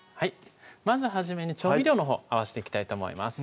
まず初めに調味料のほう合わしていきたいと思います